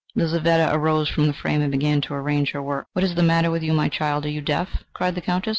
Lizaveta arose from the frame and began to arrange her work. "What is the matter with you, my child, are you deaf?" cried the Countess.